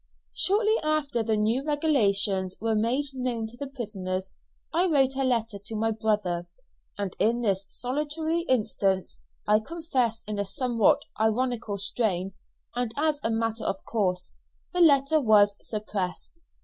Shortly after the new regulations were made known to the prisoners, I wrote a letter to my brother, and in this solitary instance I confess in a somewhat ironical strain, and as a matter of course the letter was suppressed.